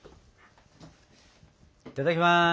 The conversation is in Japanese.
いただきます！